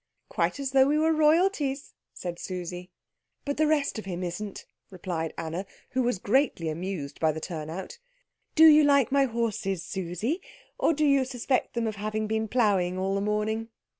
"Quite as though we were royalties," said Susie. "But the rest of him isn't," replied Anna, who was greatly amused by the turn out. "Do you like my horses, Susie? Or do you suspect them of having been ploughing all the morning?